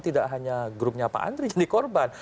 tidak hanya grupnya pak andri jadi korban